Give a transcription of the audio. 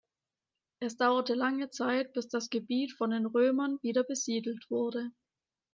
Es dauerte lange Zeit, bis das Gebiet von den Römern wieder besiedelt wurde.